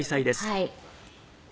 はい。